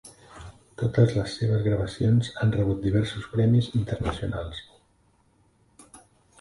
Totes les seves gravacions han rebut diversos premis internacionals.